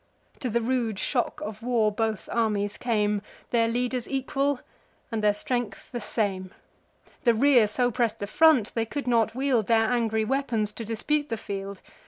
To the rude shock of war both armies came; Their leaders equal, and their strength the same. The rear so press'd the front, they could not wield Their angry weapons, to dispute the field.